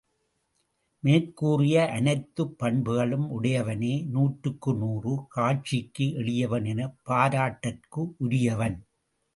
மேற்கூறிய அனைத்துப் பண்புகளும் உடையவனே நூற்றுக்கு நூறு காட்சிக்கு எளியன் எனப் பாராட்டற்கு உரியன்.